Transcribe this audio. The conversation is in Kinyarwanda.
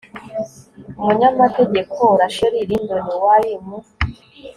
umunyamategeko rasheli lindon wari mu